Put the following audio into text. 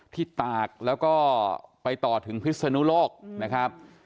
ตากแล้วก็ไปต่อถึงพิศนุโลกนะครับ